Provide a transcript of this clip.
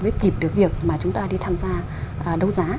mới kịp được việc mà chúng ta đi tham gia đấu giá